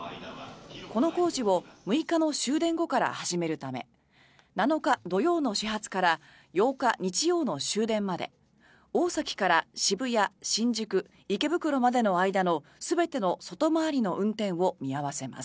この工事を６日の終電後から始めるため７日土曜の始発から８日日曜の終電まで大崎から渋谷、新宿、池袋までの間の全ての外回りの運転を見合わせます。